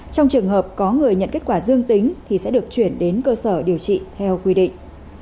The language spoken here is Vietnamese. trong trường hợp có người nhận kết quả dương tính thì sẽ được chuyển đến cơ sở điều trị theo quy định